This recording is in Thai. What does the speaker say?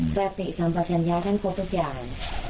สติสัมปสัญญาท่านครบทุกอย่าง